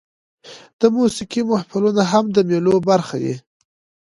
د موسیقۍ محفلونه هم د مېلو برخه يي.